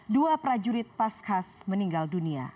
dua prajurit pas khas meninggal dunia